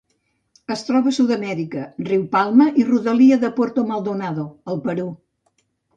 Es troba a Sud-amèrica: riu Palma i rodalia de Puerto Maldonado al Perú.